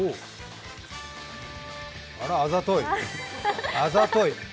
あざとい、あざとい！